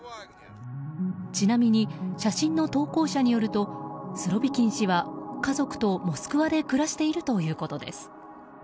ちなみに写真の投稿者によるとスロビキン氏は家族とモスクワで暮らしているということです。